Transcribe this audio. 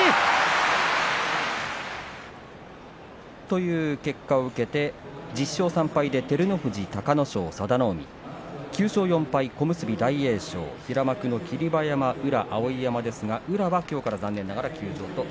という結果を受けて１０勝３敗で照ノ富士、隆の勝、佐田の海９勝４敗小結大栄翔、平幕の霧馬山と宇良碧山ですが宇良は、きょうから休場です。